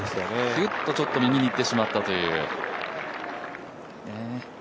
ひゅっとちょっと右にいってしまったという。